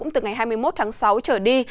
từ ba mươi sáu ba mươi bảy độ